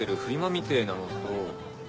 みてぇなのと。